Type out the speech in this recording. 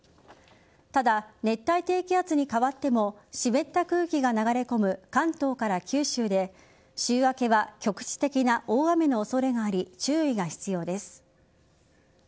ただ、熱帯低気圧に変わっても湿った空気が流れ込む関東から九州で週明けは局地的な大雨の恐れがあり注意が必要です。